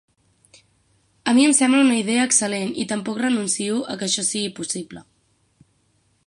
A mi em sembla una idea excel·lent i tampoc renuncio que això sigui possible.